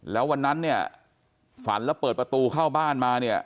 แล้ววันนั้นเนี่ยฝันแล้วเปิดประตูเข้าบ้านมาเนี่ย